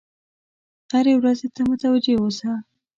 هرې ورځې ته متوجه اوسه.